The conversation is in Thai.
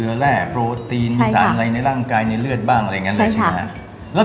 แร่โปรตีนมีสารอะไรในร่างกายในเลือดบ้างอะไรอย่างนั้นเลยใช่ไหมครับ